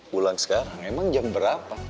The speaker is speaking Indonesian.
bulan sekarang emang jam berapa